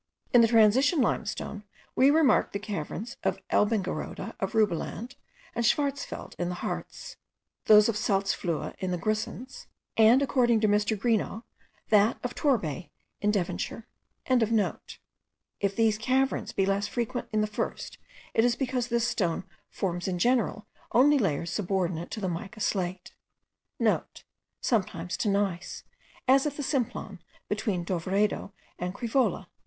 In the transition limestone we remark the caverns of Elbingerode, of Rubeland, and of Scharzfeld, in the Hartz; those of the Salzfluhe in the Grisons; and, according to Mr. Greenough, that of Torbay in Devonshire.) If these caverns be less frequent in the first, it is because this stone forms in general only layers subordinate to the mica slate,* (* Sometimes to gneiss, as at the Simplon, between Dovredo and Crevola.)